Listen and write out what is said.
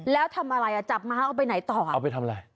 แล้วทำอะไรอ่ะจับม้าเอาไปไหนต่ออ่ะเอาไปทำอะไร